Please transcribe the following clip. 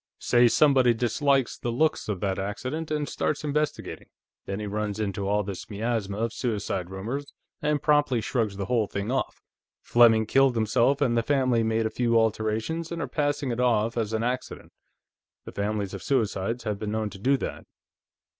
"Say somebody dislikes the looks of that accident, and starts investigating. Then he runs into all this miasma of suicide rumors, and promptly shrugs the whole thing off. Fleming killed himself, and the family made a few alterations and are passing it off as an accident. The families of suicides have been known to do that."